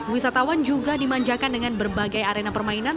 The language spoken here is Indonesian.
wisatawan juga dimanjakan dengan berbagai arena permainan